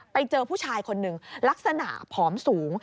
ไปเจอผู้ชายคนหนึ่งลักษณะผอมสูง